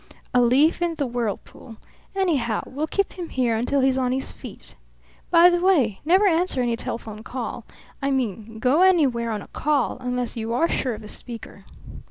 "A leaf in the whirlpool. Anyhow, we'll keep him here until he's on his feet. By the way, never answer any telephone call I mean, go anywhere on a call unless you are sure of the speaker."